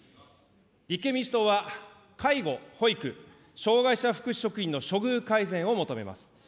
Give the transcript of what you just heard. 立憲民主党は、介護、保育、障害者福祉職員の処遇改善を求めます。